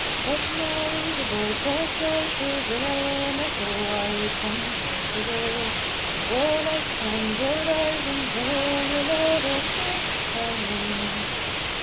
Let now the voice of joy prevail, And echo wide from hill to vale; Ye warlike clans, arise and hail Your laurell'd chiefs returning.